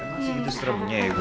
masih itu seremnya ya gue